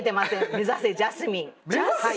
目指せジャスミン。